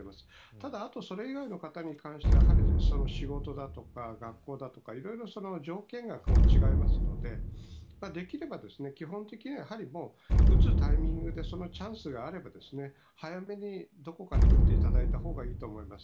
ただ、あとそれ以外の方に関しては仕事だとか学校だとかいろいろ条件が違いますのでできれば、基本的には打つタイミングでそのチャンスがあれば早めにどこかで打っていただいたほうがいいと思います。